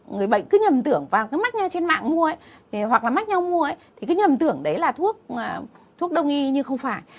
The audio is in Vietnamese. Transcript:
người bệnh cứ nhầm tưởng vào cái mắt nhau trên mạng mua ấy hoặc là mắt nhau mua ấy thì cứ nhầm tưởng đấy là thuốc đông y nhưng không phải